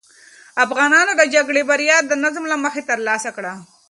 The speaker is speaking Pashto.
افغانانو د جګړې بریا د نظم له مخې ترلاسه کړه.